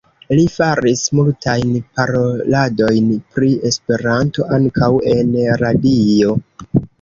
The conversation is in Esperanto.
Li faris multajn paroladojn pri Esperanto, ankaŭ en radio.